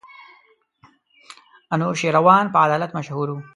انوشېروان په عدالت مشهور وو.